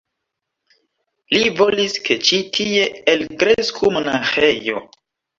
Li volis, ke ĉi tie elkresku monaĥejo.